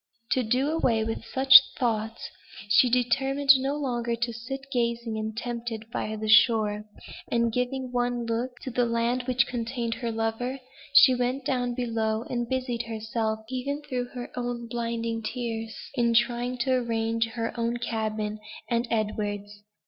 To do away with such thoughts, she determined no longer to sit gazing, and tempted by the shore; and, giving one look to the land which contained her lover, she went down below, and busied herself, even through her blinding tears, in trying to arrange her own cabin, and Edward's.